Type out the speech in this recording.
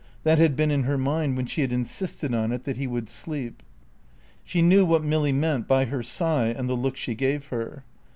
That had been in her mind when she had insisted on it that he would sleep. She knew what Milly meant by her sigh and the look she gave her.